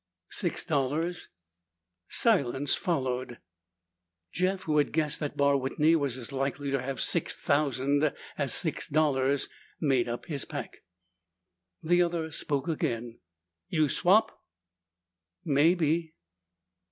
"Six dollars." Silence followed. Jeff, who had guessed that Barr Whitney was as likely to have six thousand as six dollars, made up his pack. The other spoke again, "You swap?" "Maybe."